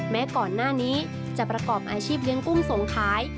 แม้ก่อนหน้านี้จะประกอบอาชีพเลี้ยงกุ้งส่งขาย